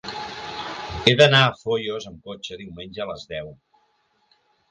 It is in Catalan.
He d'anar a Foios amb cotxe diumenge a les deu.